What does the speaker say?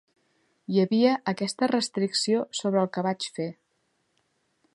Hi havia aquesta restricció sobre el que vaig fer.